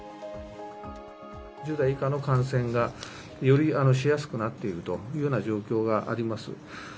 １０代以下の感染がよりしやすくなっているというような状況があります。